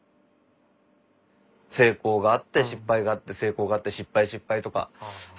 成功があって失敗があって成功があって失敗失敗とか。